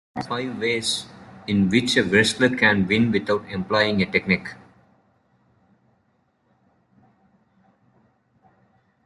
There are five ways in which a wrestler can win without employing a technique.